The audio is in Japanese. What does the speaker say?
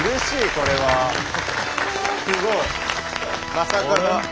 まさかの。